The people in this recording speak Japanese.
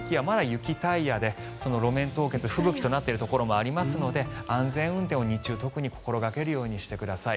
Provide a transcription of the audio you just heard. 雪タイヤで、路面凍結吹雪となっているところもありますので安全運転を日中心掛けるようにしてください。